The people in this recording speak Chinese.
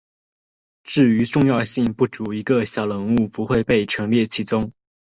至于重要性不足的小人物不会被陈列其中。